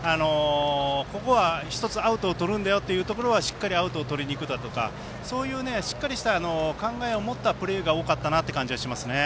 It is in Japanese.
ここは１つ、アウトをとるんだよというところはアウトをとりにいくだとかそういうしっかりした考えを持ったプレーが多かったなという感じがしますね。